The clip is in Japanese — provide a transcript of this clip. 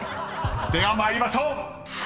［では参りましょう！］